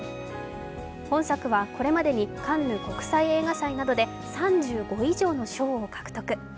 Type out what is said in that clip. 本作はこれまでにカンヌ国際映画祭などで３５以上の賞を獲得。